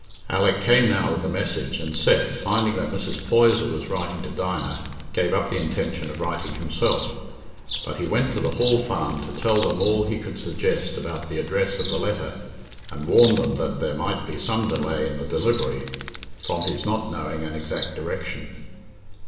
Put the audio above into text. Alick came now with the message, and Seth, finding that Mrs. Poyser was writing to Dinah, gave up the intention of writing himself; but he went to the Hall Farm to tell them all he could suggest about the address of the letter, and warn them that there might be some delay in the delivery, from his not knowing an exact direction.